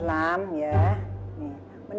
oh nama mu lebih bener